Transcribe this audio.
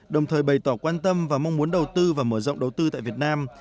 đồng thời bày tỏ quan tâm và mong muốn đầu tư và mở rộng đầu tư tại việt nam